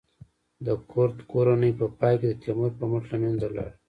د کرت کورنۍ په پای کې د تیمور په مټ له منځه لاړه.